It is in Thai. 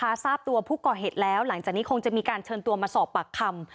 ถ้าทราบตัวผู้ก่อเหตุแล้วหลังจากนี้คงจะมีการเชิญตัวมาสอบปากคำ